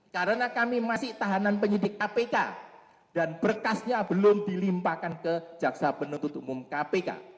karena kami masih tahanan penyidik kpk dan berkasnya belum dilimpahkan ke jaksa penuntut umum kpk